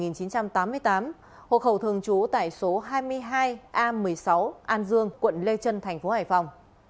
năm một nghìn chín trăm tám mươi tám hộ khẩu thường trú tại số hai mươi hai a một mươi sáu an dương quận lê trân tp hải phòng